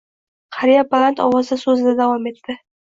Qariya baland ovozda so`zida davom etdi